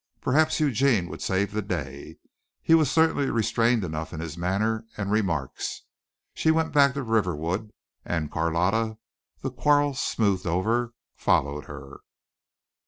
Perhaps Eugene would save the day. He was certainly restrained enough in his manner and remarks. She went back to Riverwood, and Carlotta, the quarrel smoothed over, followed her.